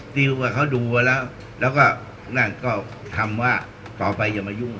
นี่เขาดูแล้วแล้วก็ทำต่อไปอย่ามายุ่นนะ